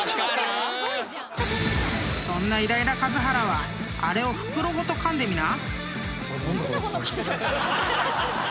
［そんなイライラ数原はあれを袋ごとかんでみな！］